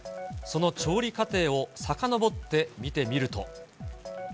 その調理過程をさかのぼって見てみると。